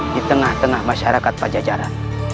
di tengah tengah masyarakat pajajaran